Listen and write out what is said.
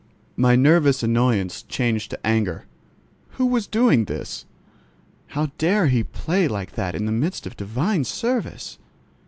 My nervous annoyance changed to anger. Who was doing this? How dare he play like that in the midst of divine service?